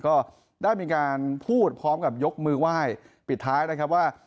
ก็ได้มีการพูดพร้อมกับยกมือไหว้ปิดท้ายนะครับว่า